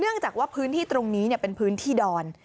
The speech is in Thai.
เนื่องจากว่าพื้นที่ตรงนี้เนี้ยเป็นพื้นที่ดอน